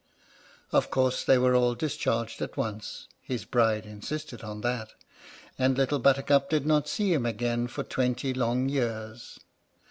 Of course they were all dis charged at once (his bride insisted on that), and Little Buttercup did not see him again for twenty long years.